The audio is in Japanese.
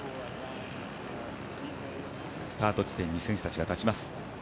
スタート地点に選手たちが立ちます。